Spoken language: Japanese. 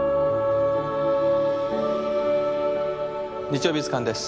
「日曜美術館」です。